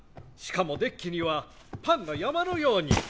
しかもデッキにはパンが山のように。